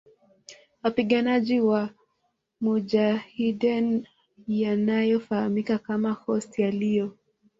wapiganaji wa mujahideen yanayo fahamika kama Khost yaliyo